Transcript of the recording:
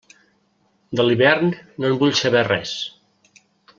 De l'hivern no en vull saber res.